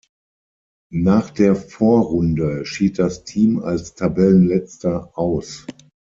Nach der Vorrunde schied das Team als Tabellenletzter aus.